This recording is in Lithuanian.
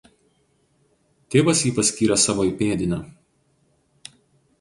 Tėvas jį paskyrė savo įpėdiniu.